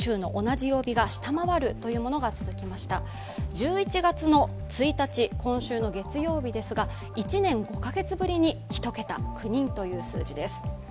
１１月の１日、今週の月曜日でしたが、１年５カ月ぶりに１桁９人という数字です。